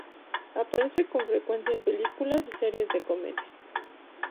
Aparece con frecuencia en películas y series de comedia.